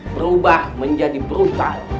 berubah menjadi brutal